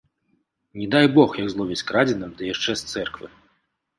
Не дай бог, як зловяць з крадзеным ды яшчэ з цэрквы.